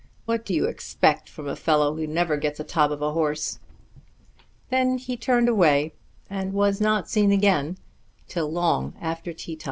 What do you expect from a fellow who never gets a top of a horse?" Then he turned away, and was not seen again till long after tea time.